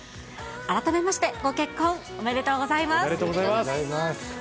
改めまして、ご結婚おめでとうございます。